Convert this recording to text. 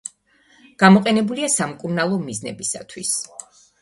გამოყენებულია სამკურნალო მიზნებისათვის.